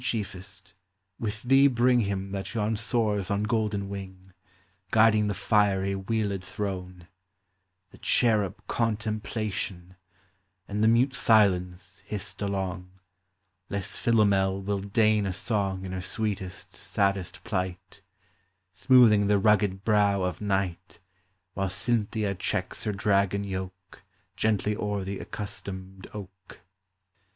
chiefest, with thee bring Him that yon soars on golden wing, Guiding the fiery wheeled throne,— The cherub Contemplation ; And the mute Silence hist along, 'Less Philomel will deign a song In her sweetest, saddest plight, Smoothing the rugged brow of Night, While Cynthia checks her dragon yoke Gently o'er the accustomed oak.